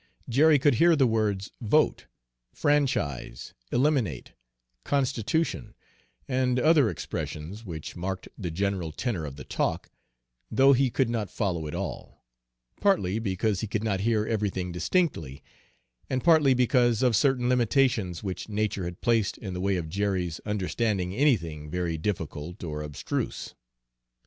Jerry could hear the words "vote," "franchise," "eliminate," "constitution," and other expressions which marked the general tenor of the talk, though he could not follow it all, partly because he could not hear everything distinctly, and partly because of certain limitations which nature had placed in the way of Jerry's understanding anything very difficult or abstruse.